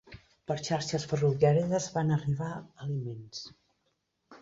Per xarxes ferroviàries van arribar aliments.